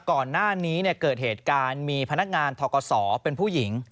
ก่อนหน้านี้เกิดเหตุการณ์มีพนักงานทกศเป็นผู้หญิง